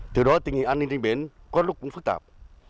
từ đó tình hình an ninh trình biến có lúc cũng phức tạp